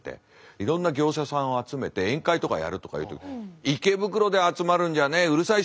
いろんな業者さんを集めて宴会とかやるとかいう時池袋で集まるんじゃねえうるさい人がいるから何だから。